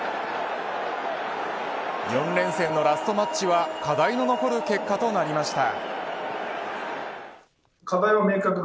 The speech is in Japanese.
４連戦のラストマッチは課題の残る結果となりました。